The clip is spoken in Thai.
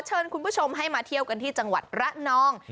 เชิญคุณผู้ชมให้มาเที่ยวกันที่จังหวัดระนอง